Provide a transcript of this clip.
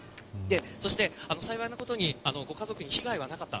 そして、幸いなことにご家族に被害はなかった。